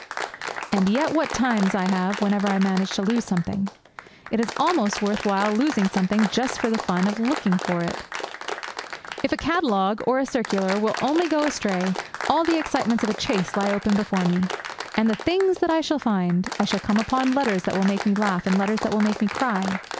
And yet, what times I have whenever I manage to lose something! It is almost worth while losing something just for the fun of looking for it! If a catalogue or a circular will only go astray, all the excitements of a chase lie open before me. And the things that I shall find! I shall come on letters that will make me laugh and letters that will make me cry.